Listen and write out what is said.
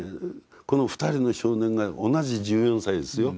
この２人の少年が同じ１４歳ですよ。